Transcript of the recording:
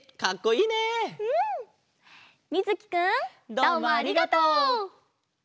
どうもありがとう！